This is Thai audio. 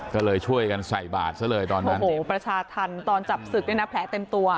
ก็เลยช่วยกันใส่บาทซะเลยตอนนี้โอ้โหประชาธรรมตอนจับศึกเนี่ยนะแผลเต็มตัว